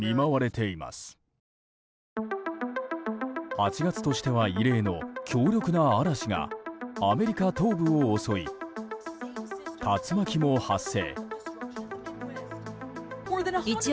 ８月としては異例の強力な嵐がアメリカ東部を襲い竜巻も発生。